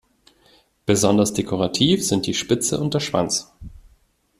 Besonders dekorativ sind die Spitze und der Schwanz.